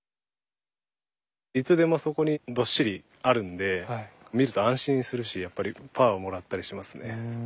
いつでもそこにどっしりあるんで見ると安心するしやっぱりパワーをもらったりしますね。